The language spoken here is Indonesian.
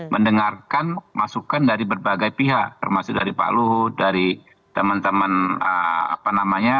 mendengarkan masukan dari berbagai pihak termasuk dari pak luhut dari teman teman apa namanya